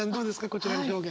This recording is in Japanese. こちらの表現。